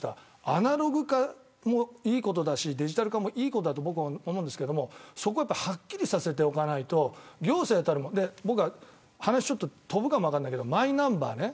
アナログ化もいいことだしデジタル化もいいことだと僕は思うんですが、そこははっきりさせておかないと話飛ぶかも分からないけれどマイナンバーね。